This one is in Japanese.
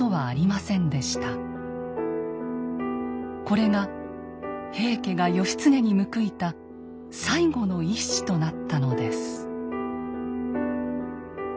これが平家が義経に報いた最後の一矢となったのです。